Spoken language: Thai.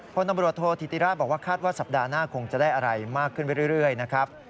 คนตำรวจโทษธิติราชบอกว่าคาดว่าสัปดาห์หน้าคงจะได้อะไรมากขึ้นไปเรื่อยนะครับ